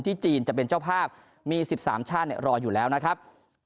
จีนจะเป็นเจ้าภาพมี๑๓ชาติรออยู่แล้วนะครับ